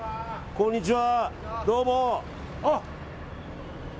こんにちは。